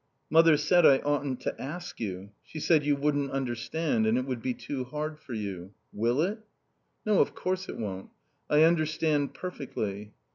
"Mother said I oughtn't to ask you. She said you wouldn't understand and it would be too hard for you. Will it?" "No, of course it won't. I understand perfectly."